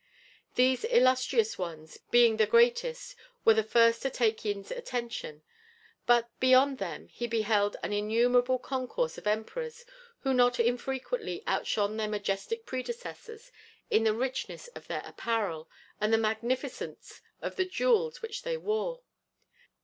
These illustrious ones, being the greatest, were the first to take Yin's attention, but beyond them he beheld an innumerable concourse of Emperors who not infrequently outshone their majestic predecessors in the richness of their apparel and the magnificence of the jewels which they wore.